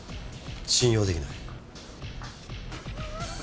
信用できない。